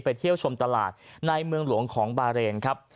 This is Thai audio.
เที่ยวชมตลาดในเมืองหลวงของบาเรนครับ